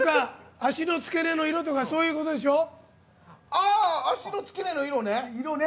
足の付け根の色ね。